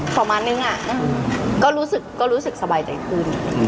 ประมาณนึงอ่าก็รู้สึกก็รู้สึกสบายใจขึ้น